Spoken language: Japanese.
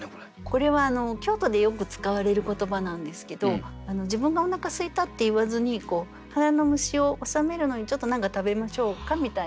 これは京都でよく使われる言葉なんですけど自分がおなかすいたって言わずに腹の虫をおさめるのにちょっと何か食べましょうかみたいな。